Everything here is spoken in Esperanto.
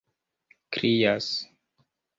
krias